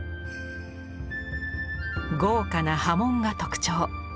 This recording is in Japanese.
豪華な刃文が特徴。